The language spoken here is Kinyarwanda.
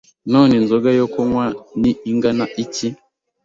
None inzoga yo kunywa ni ingana iki